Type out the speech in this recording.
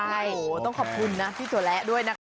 โอ้โฮต้องขอบคุณนะพี่สัวแร้ด้วยนะ